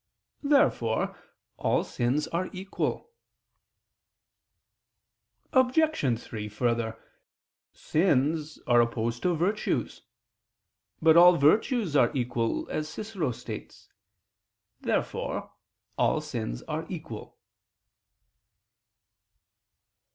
Therefore all sins are equal. Obj. 3: Further, sins are opposed to virtues. But all virtues are equal, as Cicero states (Paradox. iii). Therefore all sins are equal.